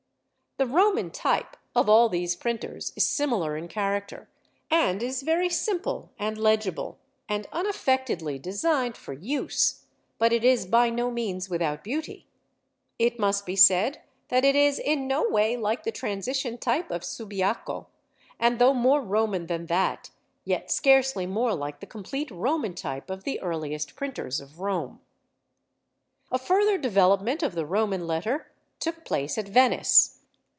The Roman type of all these printers is similar in character, and is very simple and legible, and unaffectedly designed for use; but it is by no means without beauty. It must be said that it is in no way like the transition type of Subiaco, and though more Roman than that, yet scarcely more like the complete Roman type of the earliest printers of Rome. A further development of the Roman letter took place at Venice.